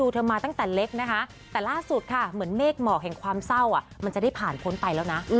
แต่ล่าสุดค่ะเหมือนเมฆเหมาะแห่งความเศร้ามันจะได้ผ่านพ้นไปแล้วนะ